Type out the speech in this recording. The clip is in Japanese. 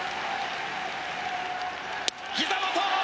ひざ元！